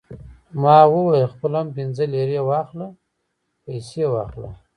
ما وویل: خپله هم پنځه لېرې واخله، پیسې واخله.